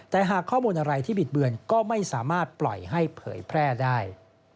แต่หากข้อมูลอะไรที่บิดเบือนก็ไม่สามารถปล่อยให้เผยแพร่ได้